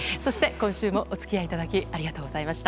今週もお付き合いいただきありがとうございました。